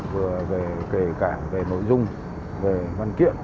vừa về kể cả về nội dung về văn kiện